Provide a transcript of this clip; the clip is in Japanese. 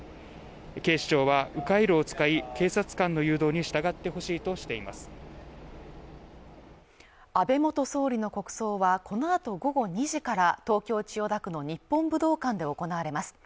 警視庁は迂回路を使い警察官の誘導に従ってほしいとしています安倍元総理の国葬はこのあと午後２時から東京千代田区の日本武道館で行われます